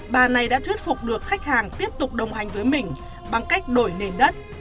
bà này đã thuyết phục được khách hàng tiếp tục đồng hành với mình bằng cách đổi nền đất